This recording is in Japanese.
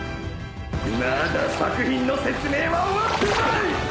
まだ作品の説明は終わってない！